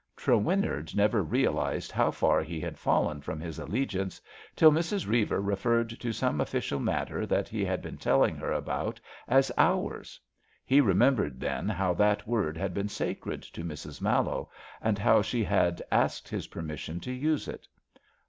Trewinnard never realised how far he had fallen from his allegiance till Mrs. Reiver referred to some ofScial matter that he had been telling her about as ours.^' He remembered then how that word had been sacred to Mrs. Mallowe and how she had asked his permission to use it.